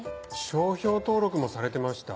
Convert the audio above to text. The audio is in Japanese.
商標登録もされてました